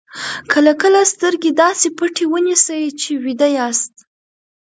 کله کله سترګې داسې پټې ونیسئ چې ویده یاست.